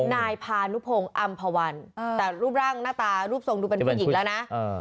นายพานุพงศ์อำภาวันแต่รูปร่างหน้าตารูปทรงดูเป็นผู้หญิงแล้วนะ